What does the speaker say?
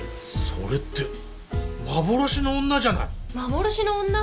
それって『幻の女』じゃない！『幻の女』？